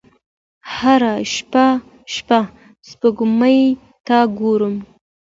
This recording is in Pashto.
هره شپه سپوږمۍ ته ګورم